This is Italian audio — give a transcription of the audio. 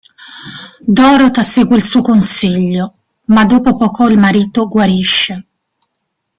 Dorota segue il suo consiglio, ma dopo poco il marito guarisce.